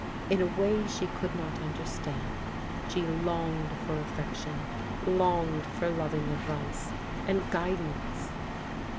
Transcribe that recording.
In a way she could not understand, she longed for affection, longed for loving advice, and guidance.